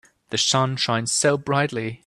The sun shines so brightly.